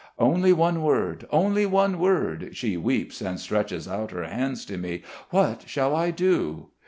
"Only one word, only one word," she weeps and stretches out her hands to me. "What shall I do?"